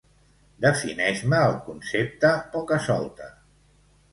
Defineix-me el concepte poca-solte.